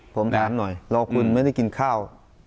ผมถามหน่อย